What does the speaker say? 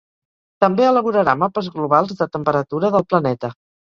També elaborarà mapes globals de temperatura del planeta.